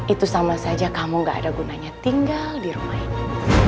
itu sama saja kamu gak ada gunanya tinggal di rumah ini